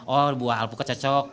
oh buah alpukat cocok